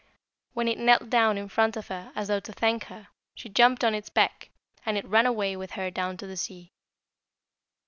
When it knelt down in front of her as though to thank her, she jumped on its back, and it ran away with her down to the sea.